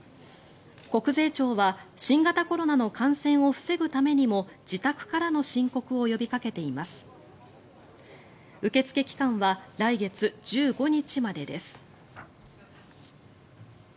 国税庁は新型コロナの感染を防ぐためにも自宅からの申告を呼びかけています。